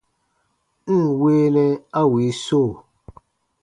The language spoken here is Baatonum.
N ǹ weenɛ a wii so !